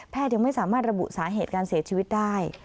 ยังไม่สามารถระบุสาเหตุการเสียชีวิตได้